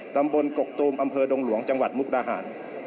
กกตูมอำเภอดงหลวงจังหวัดมุกดาหาร